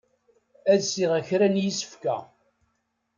Ad sriɣ kra n yisefka.